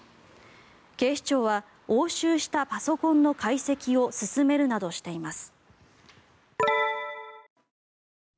警視庁は押収したパソコンの解析を進めるなどしています。